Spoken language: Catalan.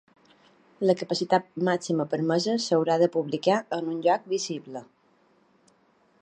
La capacitat màxima permesa s’haurà de publicar en un lloc visible.